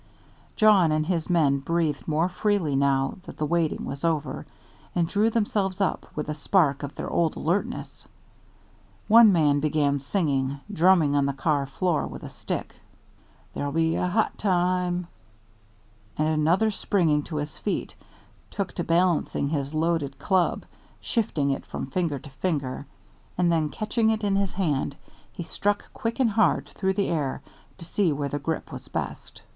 Jawn and his men breathed more freely now that the waiting was over, and drew themselves up with a spark of their old alertness. One man began singing, drumming on the car floor with a stick, "There'll be a hot time " And another, springing to his feet, took to balancing his loaded club, shifting it from finger to finger, and then catching it in his hand he struck quick and hard through the air to see where the grip was best.